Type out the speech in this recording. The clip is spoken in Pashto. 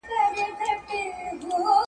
شمع ده چي مړه سي رڼا نه لري.